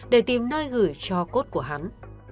để tìm nơi gửi cho cốt của hắn